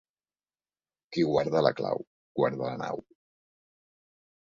Qui guarda la clau guarda la nau.